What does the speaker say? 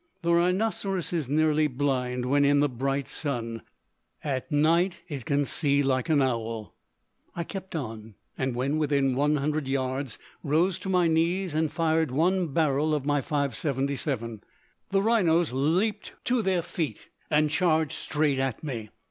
The rhinoceros is nearly blind when in the bright sun at night it can see like an owl. I kept on, and when within 100 yards rose to my knees and fired one barrel of my .577. The rhinos leapt to their feet and charged straight at me.